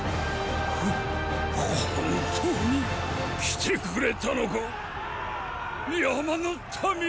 ほ本当に来てくれたのか山の民よ！